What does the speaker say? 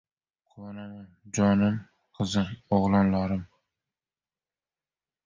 Quvonaman jonim qizim, o‘g‘lonlarim.